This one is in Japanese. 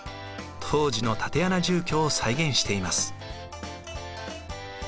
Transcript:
当時の竪穴住居を再現しています。